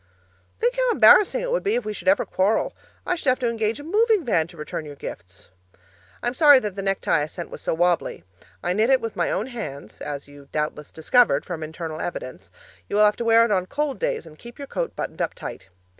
Think how embarrassing it would be if we should ever quarrel! I should have to engage a moving van to return your gifts. I am sorry that the necktie I sent was so wobbly; I knit it with my own hands (as you doubtless discovered from internal evidence). You will have to wear it on cold days and keep your coat buttoned up tight.